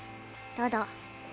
ただ？